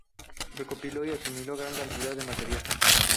Recopiló y asimiló gran cantidad de material.